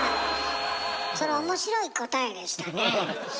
それ面白い答えでしたね。